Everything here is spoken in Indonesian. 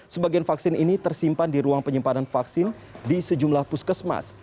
sebagian vaksin ini tersimpan di ruang penyimpanan vaksin di sejumlah puskesmas